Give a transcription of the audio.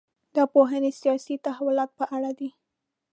دا پوهنې سیاسي تحولاتو په اړه دي.